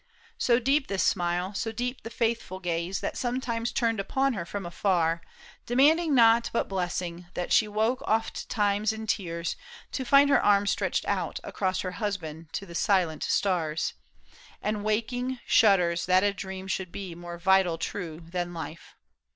So deep this smile, so deep the faithful gaze That sometimes turned upon her from afar. Demanding not but blessing, that she woke Ofttimes in tears, to find her arms stretched out Across her husband to the silent stars, And waking, shudders, that a dream should be More vital true than life.